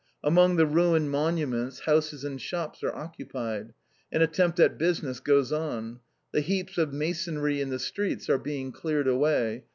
Among the ruined monuments, houses and shops are occupied. An attempt at business goes on. The heaps of masonry in the streets are being cleared away.